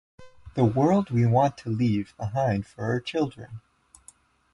The world we want to leave behind for our children